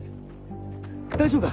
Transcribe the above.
大丈夫か？